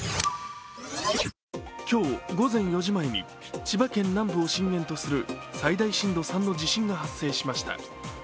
今日、午前４時前に千葉県南部を震源とする最大震度３の地震が発生しました。